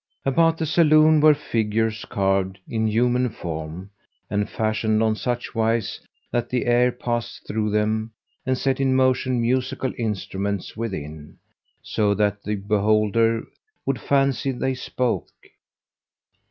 About the saloon were figures carved in human form, and fashioned on such wise that the air passed through them; and set in motion musical instruments within, so that the beholder would fancy they spoke.